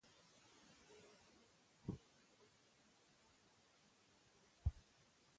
د یوه دولت استازی پر خپل سر مشوره ورکوي.